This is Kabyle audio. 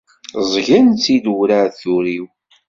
Ẓẓgen-tt-id urɛad turiw.